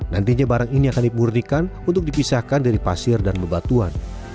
nantinya barang ini akan dimurnikan untuk dipisahkan dari pasir dan bebatuan